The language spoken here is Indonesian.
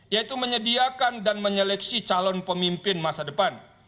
yaitu menyediakan dan menyeleksi calon pemimpin masa depan